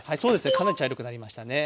かなり茶色くなりましたね。